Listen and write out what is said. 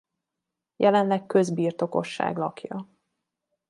Jelenleg közbirtokosság lakja.